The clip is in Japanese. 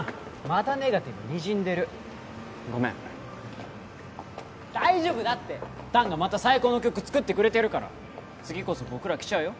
またネガティブにじんでるごめん大丈夫だって弾がまた最高の曲作ってくれてるから次こそ僕ら来ちゃうよ？